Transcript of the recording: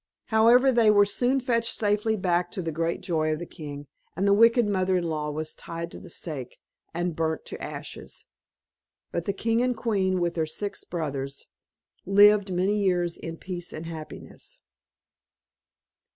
However they were soon fetched safely back, to the great joy of the king; and the wicked mother in law was tied to the stake, and burnt to ashes. But the king and queen, with their six brothers, lived many years in peace and happiness.